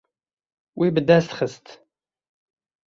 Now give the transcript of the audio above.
Wî bi dest xist.